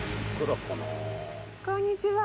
「はいこんにちは」